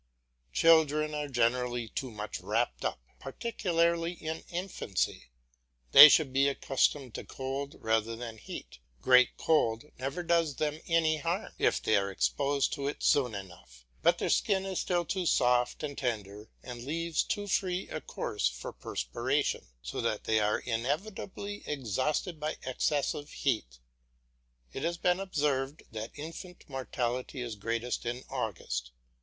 Children are generally too much wrapped up, particularly in infancy. They should be accustomed to cold rather than heat; great cold never does them any harm, if they are exposed to it soon enough; but their skin is still too soft and tender and leaves too free a course for perspiration, so that they are inevitably exhausted by excessive heat. It has been observed that infant mortality is greatest in August.